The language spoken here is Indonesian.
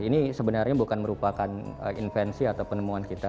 ini sebenarnya bukan merupakan invensi atau penemuan kita